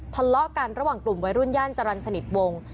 ตอนเลี้ยงกันระหว่างกลุ่มไว้รุนยั่นจรันศนิษฐ์วงศ์